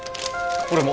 俺も。